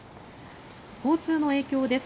交通の影響です。